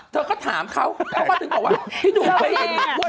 เธอก็ถามเขาแล้วก็ถึงบอกว่าที่หนูเป็นเองมันอ้วน